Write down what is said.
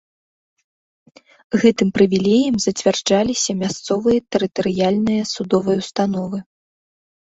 Гэтым прывілеем зацвярджаліся мясцовыя тэрытарыяльныя судовыя установы.